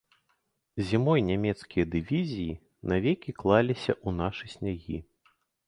Зімой нямецкія дывізіі навекі клаліся ў нашы снягі.